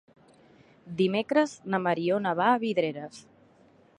Dimecres na Mariona va a Vidreres.